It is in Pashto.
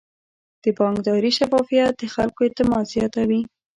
د بانکداري شفافیت د خلکو اعتماد زیاتوي.